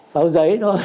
pháo giấy thôi